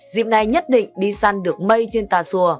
dịp này nhất định đi săn được mây trên tà xùa